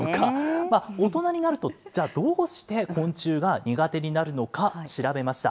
大人になると、じゃあ、どうして昆虫が苦手になるのか、調べました。